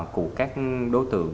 của các đối tượng